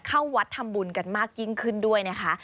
เข้าวัดทำบุญกันมากยิ่งขึ้นด้วยนะคะ